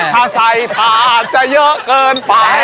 ถ้าใส่ถาดจะเยอะเกินไป